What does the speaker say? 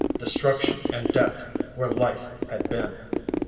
Destruction and death where life had been.